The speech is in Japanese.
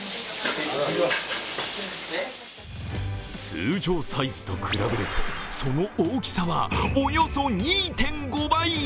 通常サイズと比べるとその大きさはおよそ２．５倍！